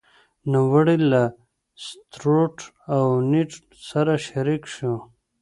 نوموړی له ستروټ او نیډ سره شریک شو.